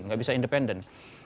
nggak bisa independen